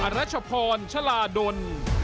รัชพรชลาดล